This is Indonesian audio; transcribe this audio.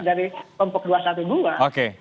dari kelompok dua ratus dua belas oke